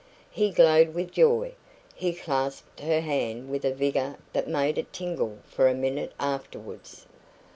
He glowed with joy. He clasped her hand with a vigour that made it tingle for a minute afterwards.